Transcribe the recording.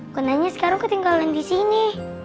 gue nanya sekarang ketinggalan disini